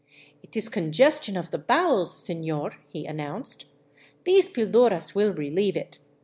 " It is congestion of the bowels, sefior," he announced. " These pilduras will relieve it.